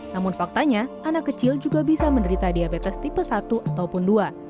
namun faktanya anak kecil juga bisa menderita diabetes tipe satu ataupun dua